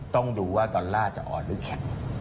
ต้องดูว่าดอลลาร์จะอ่อนหรือแข็ง